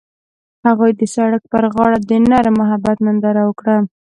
هغوی د سړک پر غاړه د نرم محبت ننداره وکړه.